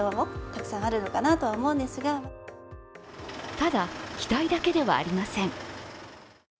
ただ、期待だけではありません。